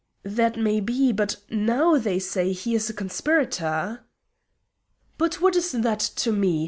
"That may be. But now they say he is a conspirator." "But what is that to me?